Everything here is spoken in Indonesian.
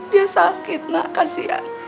dia sakit nak kasian